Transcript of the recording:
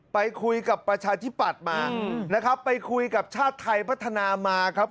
ไปคุยกับประชาธิปัตย์มานะครับไปคุยกับชาติไทยพัฒนามาครับ